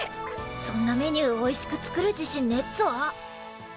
そんなメニューおいしく作る自信ねっぞ。